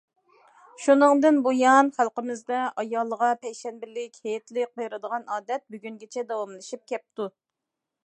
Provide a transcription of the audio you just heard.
شۇنىڭدىن بۇيان خەلقىمىزدە ئايالىغا پەيشەنبىلىك، ھېيتلىق بېرىدىغان ئادەت بۈگۈنگىچە داۋاملىشىپ كەپتۇ.